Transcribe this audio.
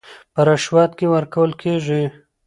په رشوت کې ورکول کېږي